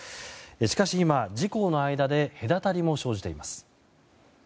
しかし今、自公の間で隔たりも生じています。